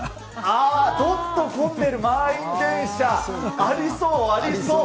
あー、どっと混んでる満員電車、ありそう、ありそう。